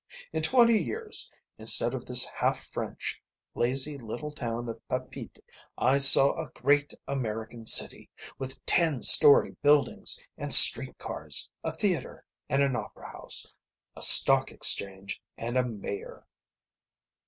In twenty years, instead of this half French, lazy little town of Papeete I saw a great American city with ten story buildings and street cars, a theatre and an opera house, a stock exchange and a mayor."